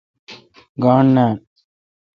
گاݨڈ نان۔